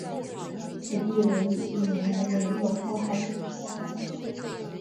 此地俄语地名来源俄国海军上将。